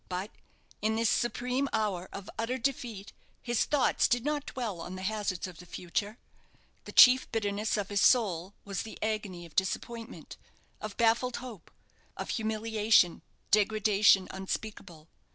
But in this supreme hour of utter defeat, his thoughts did not dwell on the hazards of the future. The chief bitterness of his soul was the agony of disappointment of baffled hope of humiliation, degradation unspeakable.